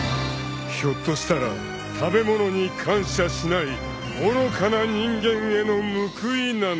［ひょっとしたら食べ物に感謝しない愚かな人間への報いなのかも］